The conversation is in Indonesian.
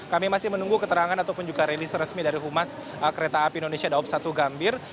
kami masih menunggu keterangan ataupun juga rilis resmi dari humas kereta api indonesia daob satu gambir